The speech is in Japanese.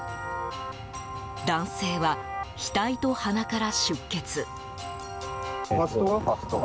男性は額と鼻から出血。